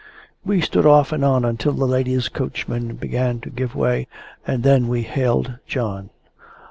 We stood off and on until the ladies' coachman began to give way, and then we hailed John.